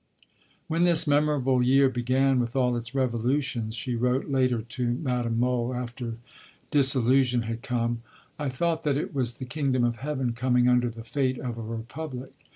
"When this memorable year began with all its revolutions," she wrote later to Madame Mohl, after disillusion had come (June 27), "I thought that it was the Kingdom of Heaven coming under the fate of a Republic.